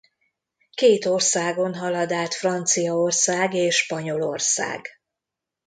Két országon halad át Franciaország és Spanyolország.